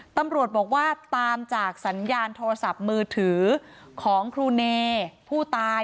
ตำรวจบอกว่าตามจากสัญญาณโทรศัพท์มือถือของครูเนผู้ตาย